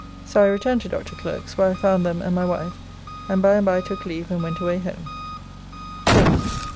So I returned to Dr. Clerke's, where I found them and my wife, and by and by took leave and went away home. 4th.